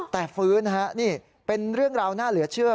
แต่ฟื้นฮะนี่เป็นเรื่องราวน่าเหลือเชื่อ